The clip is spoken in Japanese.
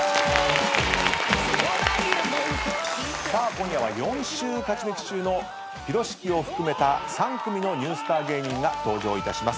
今夜は４週勝ち抜き中のぴろしきを含めた３組のニュースター芸人が登場いたします。